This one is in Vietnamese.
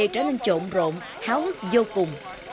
trở nên trộn rộn háo hức vô cùng